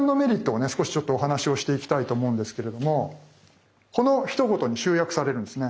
少しちょっとお話をしていきたいと思うんですけれどもこのひと言に集約されるんですね。